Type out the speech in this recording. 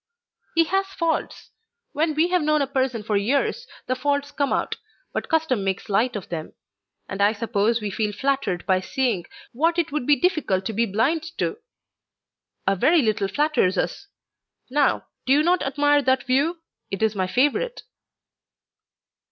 "He has faults. When we have known a person for years the faults come out, but custom makes light of them; and I suppose we feel flattered by seeing what it would be difficult to be blind to! A very little flatters us! Now, do you not admire that view? It is my favourite."